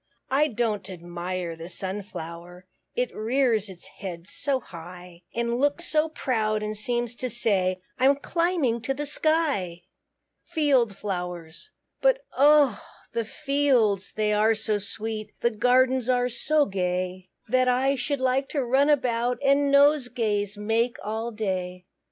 I don't admire the Sunflower, It rears its head so high; And looks so proud, and seems to say, "I'm climbing to the sky." FIELD FLOWERS. But oh! the fields they are so sweet, The gardens are so gay, That I should like to run about, And nosegays make all day.